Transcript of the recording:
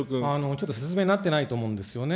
ちょっと説明になってないと思うんですよね。